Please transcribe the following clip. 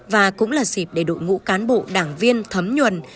và cũng là dịp để đội ngũ cán bộ đảng viên thấm nhuần